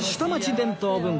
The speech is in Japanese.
伝統文化